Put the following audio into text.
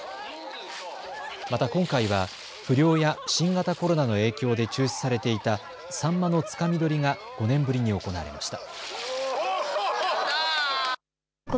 また今回は不漁や新型コロナの影響で中止されていたサンマのつかみ取りが５年ぶりに行われました。